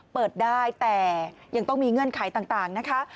เปิดได้แต่ยังต้องมีเงื่อนไขต่างนะคะ